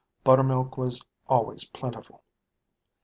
Buttermilk was always plentiful.